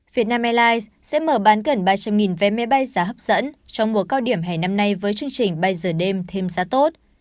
việt nam airlines sẽ mở bán gần ba trăm linh vé máy bay giá hấp dẫn trong mùa cao điểm hè năm nay với chương trình bay giờ đêm thêm giá tốt